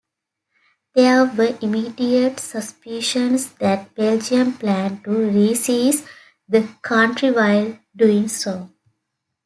There were immediate suspicions that Belgium planned to re-seize the country while doing so.